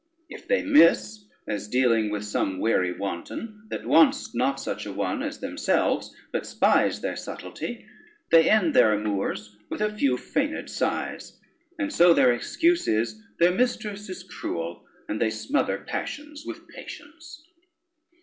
If they miss, as dealing with some wary wanton, that wants not such a one as themselves, but spies their subtlety, they end their amours with a few feigned sighs; and so their excuse is, their mistress is cruel, and they smother passions with patience.